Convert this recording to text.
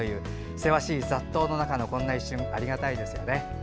せわしい雑踏の中の一瞬ありがたいですね。